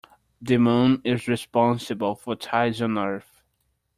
The moon is responsible for tides on earth.